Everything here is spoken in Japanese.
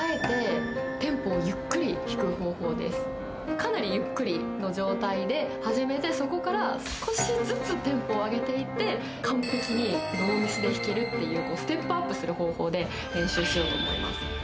かなりゆっくりの状態で始めてそこから少しずつテンポを上げていって完璧にノーミスで弾けるっていうステップアップする方法で練習しようと思います。